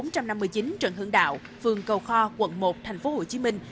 trần hương đạo phường cầu kho quận một thành phố hồ chí minh